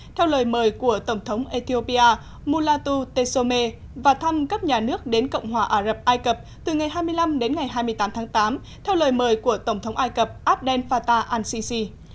theo lời mời của tổng thống ethiopia mulatu tesome và thăm cấp nhà nước đến cộng hòa ả rập ai cập từ ngày hai mươi năm đến ngày hai mươi tám tháng tám theo lời mời của tổng thống ai cập abdel fatah al sisi